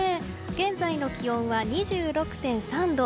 現在の気温は２６．３度。